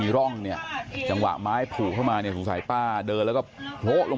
ติดเตียงได้ยินเสียงลูกสาวต้องโทรศัพท์ไปหาคนมาช่วย